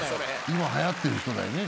今はやってる人だよね。